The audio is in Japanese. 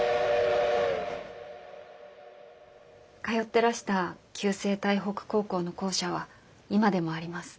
通ってらした旧制台北高校の校舎は今でもあります。